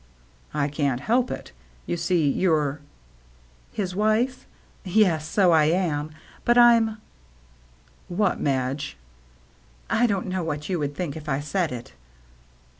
" I can't help it. You see, you're —"" His wife ? Yes, so I am. But I'm —" "What, Madge?" " I don't know what you would think if I said it."